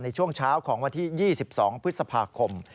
ในช่วงเช้าของวันที่๒๒พฤษภาคม